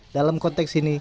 dalam konteks ini